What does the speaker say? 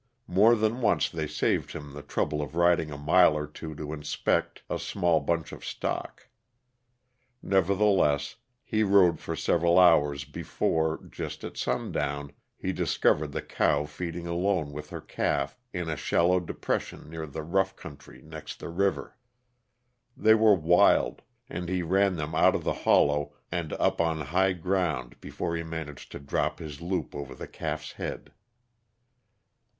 More than once they saved him the trouble of riding a mile or so to inspect a small bunch of stock. Nevertheless, he rode for several hours before, just at sundown, he discovered the cow feeding alone with her calf in a shallow depression near the rough country next the river. They were wild, and he ran them out of the hollow and up on high ground before he managed to drop his loop over the calf's head.